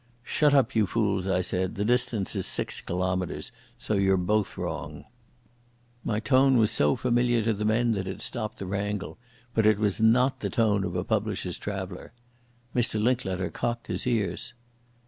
"Shut up, you fools," I said. "The distance is six kilometres, so you're both wrong." My tone was so familiar to the men that it stopped the wrangle, but it was not the tone of a publisher's traveller. Mr Linklater cocked his ears.